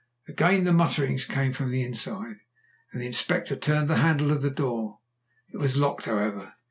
Again the mutterings came from the inside, and the Inspector turned the handle of the door. It was locked, however.